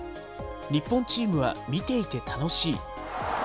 日本チームは見ていて楽しい。